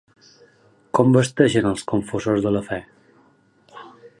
Com vesteixen els confessors de la fe?